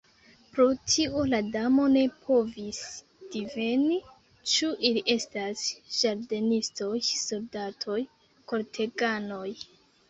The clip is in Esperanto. Pro tio la Damo ne povis diveni ĉu ili estas ĝardenistoj, soldatoj, korteganoj.